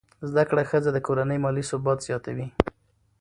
زده کړه ښځه د کورنۍ مالي ثبات زیاتوي.